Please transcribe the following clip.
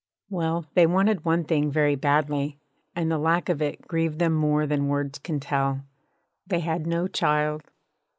Well, they wanted one thing very badly, and the lack of it grieved them more than words can tell. They had no child.